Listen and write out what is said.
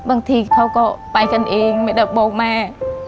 บางทีเขาก็ไปกันเองไม่ได้บอกแม่